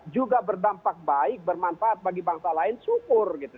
juga berdampak baik bermanfaat bagi bangsa lain syukur gitu